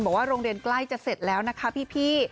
โรงเรียนใกล้จะเสร็จแล้วนะคะพี่